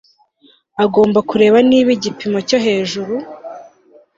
agomba kureba niba igipimo cyo hejuru